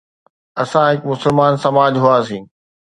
اسان هڪ مسلمان سماج هئاسين.